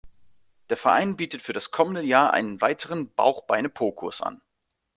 Der Verein bietet für das kommende Jahr einen weiteren Bauch-Beine-Po-Kurs an.